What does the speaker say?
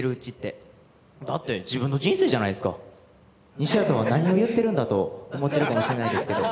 「西畑は何を言ってるんだ？」と思ってるかもしれないですけど。